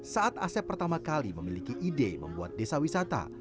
saat asep pertama kali memiliki ide membuat desa wisata